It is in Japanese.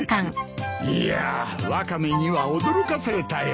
いやあワカメには驚かされたよ。